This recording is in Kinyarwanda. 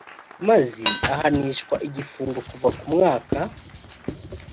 mazi ahanishwa igifungo kuva ku mwaka